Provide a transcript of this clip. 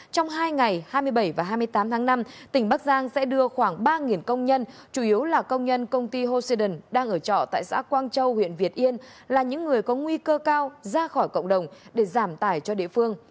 trong hai ngày hai mươi bảy và hai mươi tám tháng năm tỉnh bắc giang sẽ đưa khoảng ba công nhân chủ yếu là công nhân công ty hoseaden đang ở trọ tại xã quang châu huyện việt yên là những người có nguy cơ cao ra khỏi cộng đồng để giảm tải cho địa phương